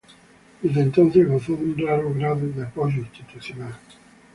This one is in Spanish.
Desde entonces gozó de un raro grado de apoyo institucional.